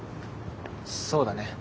そうだね。